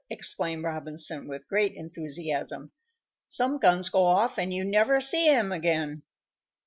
exclaimed Robinson, with great enthusiasm. "Some guns go off, and you never see 'em again."